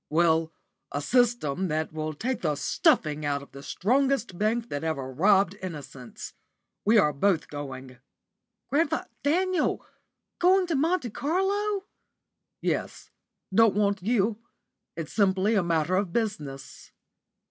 "Well, a 'system,' that will take the stuffing out of the strongest bank that ever robbed innocents. We are both going." "Grandf ! Daniel! Going to Monte Carlo!" "Yes. Don't want you. It's simply a matter of business."